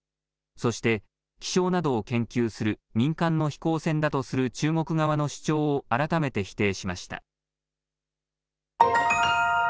そして、気象などを研究する民間の飛行船だとする中国側の主張を改めて否定しました。